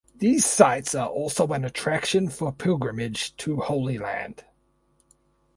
These sites are also an attraction for pilgrimage to Holy Land.